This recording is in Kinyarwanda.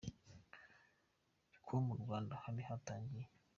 ko mu Rwanda hari hatangiye.